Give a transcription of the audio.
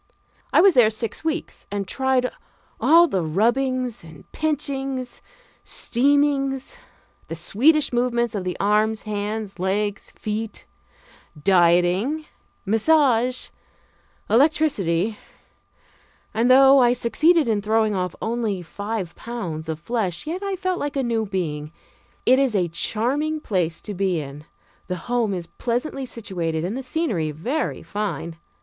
I was there six weeks and tried all the rubbings, pinchings, steamings; the Swedish movements of the arms, hands, legs, feet; dieting, massage, electricity, and, though I succeeded in throwing off only five pounds of flesh, yet I felt like a new being. It is a charming place to be in the home is pleasantly situated and the scenery very fine.